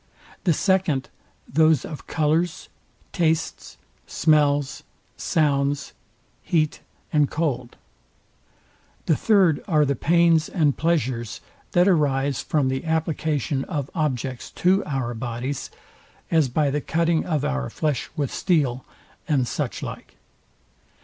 The second those of colours, tastes, smells, sounds, heat and cold. The third are the pains and pleasures, that arise from the application of objects to our bodies, as by the cutting of our flesh with steel, and such like.